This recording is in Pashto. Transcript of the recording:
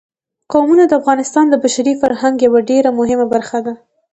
قومونه د افغانستان د بشري فرهنګ یوه ډېره مهمه برخه ده.